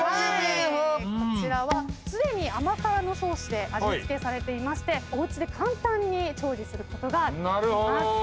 こちらはすでに甘辛のソースで味付けされていましておうちで簡単に調理することができます。